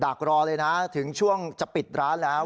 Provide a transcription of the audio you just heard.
ักรอเลยนะถึงช่วงจะปิดร้านแล้ว